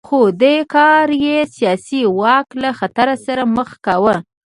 خو دې کار یې سیاسي واک له خطر سره مخ کاوه